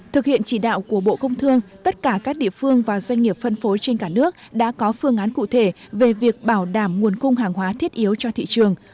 thực hiện chỉ đạo của bộ công thương tất cả các địa phương và doanh nghiệp phân phối trên cả nước đã có phương án cụ thể về việc bảo đảm nguồn cung hàng hóa thiết yếu cho thị trường